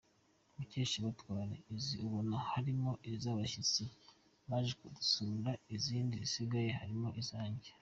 Mukeshabatware: Izi ubona harimo iz’abashyitsi baje kudusura, izindi zisigaye harimo izanjye.